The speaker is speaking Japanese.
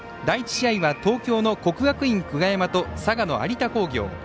第１試合は東京の国学院久我山と佐賀の有田工業。